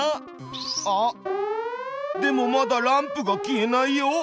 あっでもまだランプが消えないよ。